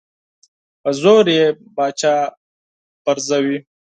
په زور یې پاچا پرزوي.